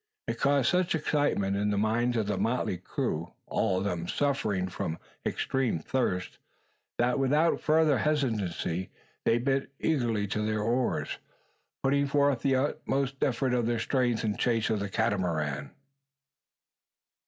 It caused such excitement in the minds of the motley crew all of them suffering from extreme thirst that, without further hesitancy, they bent eagerly to their oars, putting forth the utmost effort of their strength in chase of the Catamaran.